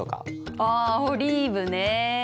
あオリーブね。